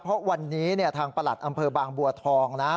เพราะวันนี้ทางประหลัดอำเภอบางบัวทองนะ